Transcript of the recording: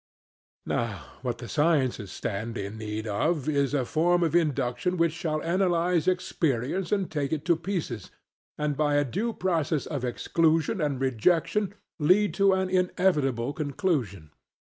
Now what the sciences stand in need of is a form of induction which shall analyse experience and take it to pieces, and by a due process of exclusion and rejection lead to an inevitable conclusion.